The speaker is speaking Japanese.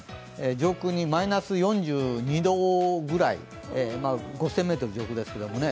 上空にマイナス４２度ぐらい５０００ｍ上空ですけどね